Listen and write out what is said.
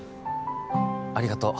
ありがとう